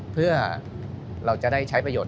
เพื่อเราจะได้ใช้ประโยชน